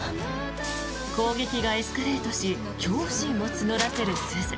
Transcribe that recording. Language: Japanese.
攻撃がエスカレートし恐怖心を募らせる鈴。